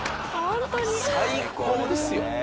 最高ですよ。